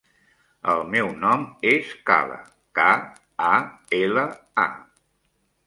El meu nom és Kala: ca, a, ela, a.